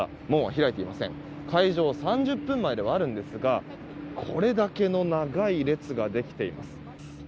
開場３０分前ではあるんですがこれだけの長い列ができています。